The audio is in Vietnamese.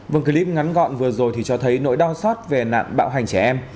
vâng clip ngắn gọn vừa rồi thì cho thấy nỗi đau xót về nạn bạo hành trẻ em